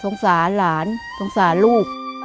สงสารหลานสงสารลูก